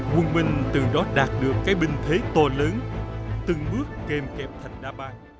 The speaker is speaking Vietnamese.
quân minh từ đó đạt được cái binh thế to lớn từng bước kèm kèm thành đa bàn